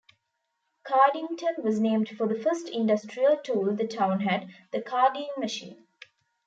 Cardington was named for the first industrial tool the town had, the carding machine.